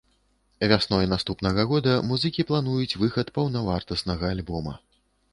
Вясной наступнага года музыкі плануюць выхад паўнавартаснага альбома.